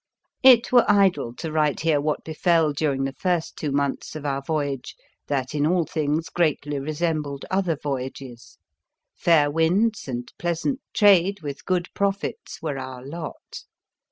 It were idle to write here what befell during the first two months of our voy age, that in all things greatly resem bled other voyages. Fair winds and pleasant trade with good profits were our lot.